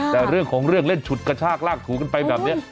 แต่เรื่องของเรื่องเล่นฉุดกระชากลากถูกันไปแบบนี้